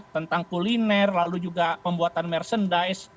tentang kuliner lalu juga pembuatan merchandise